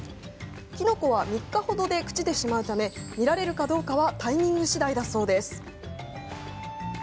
キノコは３日ほどで朽ちてしまうため見られるかどうかはタイミングしだいだそうです。